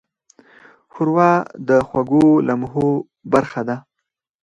ښوروا د خوږو لمحو برخه ده.